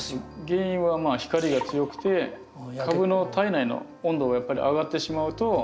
原因はまあ光が強くて株の体内の温度がやっぱり上がってしまうと。